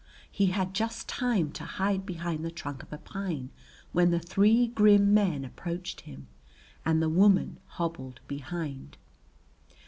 He had just time to hide behind the trunk of a pine when the three grim men approached him and the woman hobbled behind.